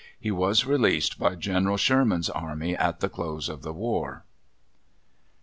He was released by Gen. Sherman's army at the close of the war.